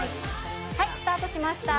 はいスタートしました